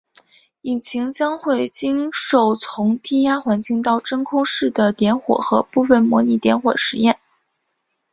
引擎将会经受从低压环境到真空室的点火和部分模拟点火实验。